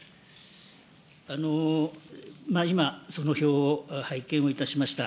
今、その表を拝見をいたしました。